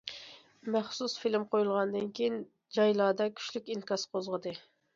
مەخسۇس فىلىم قويۇلغاندىن كېيىن، جايلاردا كۈچلۈك ئىنكاس قوزغىدى.